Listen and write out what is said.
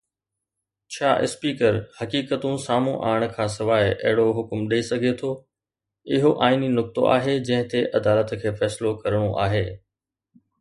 ڇا اسپيڪر حقيقتون سامهون آڻڻ کانسواءِ اهڙو حڪم ڏئي سگهي ٿو؟ اهو آئيني نقطو آهي جنهن تي عدالت کي فيصلو ڪرڻو آهي.